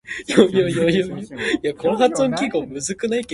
戇的嘛有一項會